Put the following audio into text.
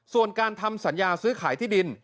ส่วนการทำสัญญาซื้อขายที่ดิน